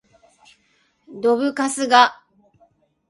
どぶカスが